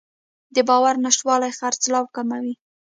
د باور نشتوالی خرڅلاو کموي.